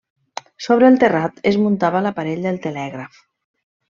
Sobre el terrat es muntava l'aparell del telègraf.